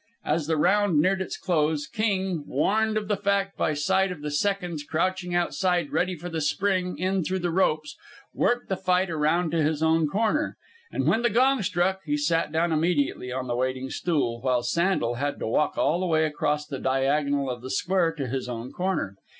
As the round neared its close, King, warned of the fact by sight of the seconds crouching outside ready for the spring in through the ropes, worked the fight around to his own corner. And when the gong struck, he sat down immediately on the waiting stool, while Sandel had to walk all the way across the diagonal of the square to his own corner.